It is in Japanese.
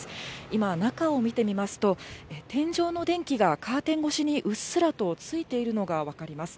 今、中を見てみますと、天井の電気がカーテン越しにうっすらとついているのが分かります。